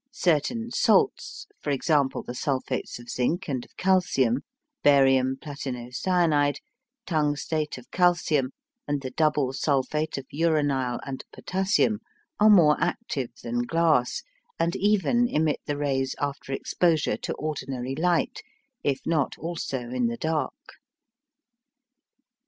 Certain salts for example, the sulphates of zinc and of calcium, barium platino cyanide, tungstate of calcium, and the double sulphate of uranyle and potassium are more active than glass, and even emit the rays after exposure to ordinary light, if not also in the dark.